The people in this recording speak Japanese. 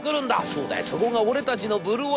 『そうだよそこが俺たちのブルーオーシャン。